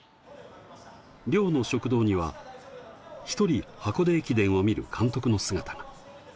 寮の食堂には１人、箱根駅伝を見る監督の姿が。